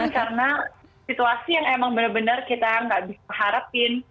karena situasi yang emang benar benar kita gak bisa harapin